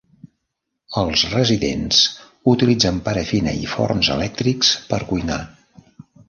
Els residents utilitzen parafina i forns elèctrics per cuinar.